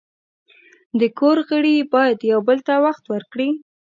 د کور غړي باید یو بل ته وخت ورکړي.